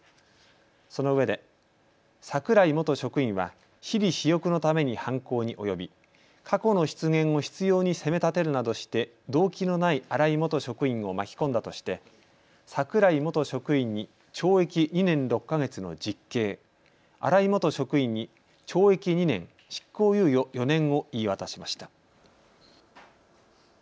そのうえで櫻井元職員は私利私欲のために犯行に及び過去の失言を執ように責めたてるなどして動機のない新井元職員を巻き込んだとして櫻井元職員に懲役２年６か月の実刑、新井元職員に懲役２年、執行猶予４年を言い渡しました。